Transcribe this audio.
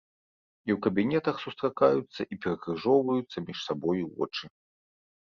І ў кабінетах сустракаюцца і перакрыжоўваюцца між сабою вочы.